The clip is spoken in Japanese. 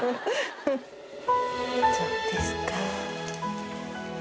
そうですか。